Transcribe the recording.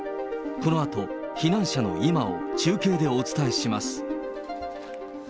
このあと、避難者の今を中継でお伝えします。